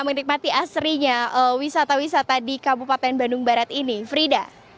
menikmati asrinya wisata wisata di kabupaten bandung barat ini frida